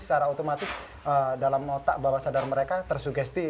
secara otomatis dalam otak bahwa sadar mereka tersugesti